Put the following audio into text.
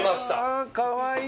かわいい！